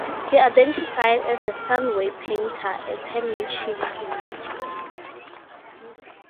He identified as a "sunway"-painter, a term which he created.